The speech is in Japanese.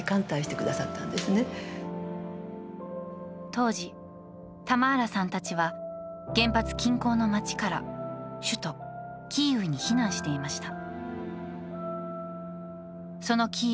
当時、タマーラさんたちは原発近郊の町から首都キーウに避難していました。